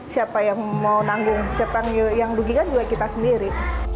siapa yang mau nanggung siapa yang rugikan juga kita sendiri